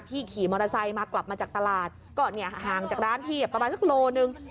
ขี่มอเตอร์ไซค์มากลับมาจากตลาดก็เนี่ยห่างจากร้านพี่ประมาณสักโลนึง